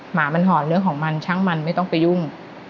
หมามันหอนเรื่องของมันช่างมันไม่ต้องไปยุ่ง